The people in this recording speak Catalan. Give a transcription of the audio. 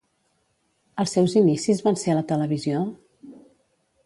Els seus inicis van ser a la televisió?